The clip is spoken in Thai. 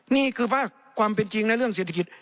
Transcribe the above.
นี่คือภาคความเป็นจริงและเรื่องเศรษฐกิจ